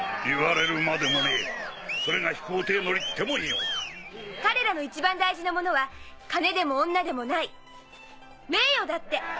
言われるまでもねえそれが飛行艇乗りってもんよ。彼らの一番大事なものは金でも女でもない名誉だって。